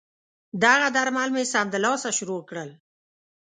دغه درمل مې سمدلاسه شروع کړل.